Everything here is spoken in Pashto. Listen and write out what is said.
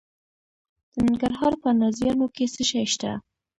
د ننګرهار په نازیانو کې څه شی شته؟